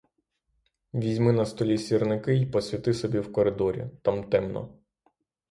Візьми на столі сірники й посвіти собі в коридорі, там темно.